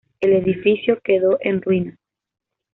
El edificio quedó en ruinas.